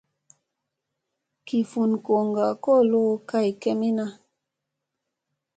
Gi vun goŋga kolo kay kemina.